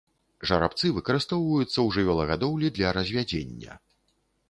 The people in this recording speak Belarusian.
Жарабцы выкарыстоўваюцца ў жывёлагадоўлі для развядзення.